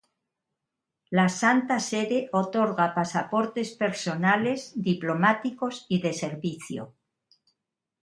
La Santa Sede otorga pasaportes personales, diplomáticos y de servicio.